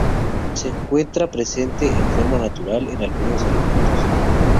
Se encuentra presente de forma natural en algunos alimentos.